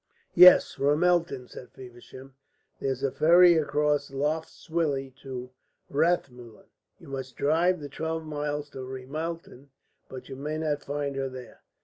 "Yes, Ramelton," said Feversham; "there's a ferry across Lough Swilly to Rathmullen. You must drive the twelve miles to Ramelton. But you may not find her there."